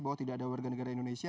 bahwa tidak ada warga negara indonesia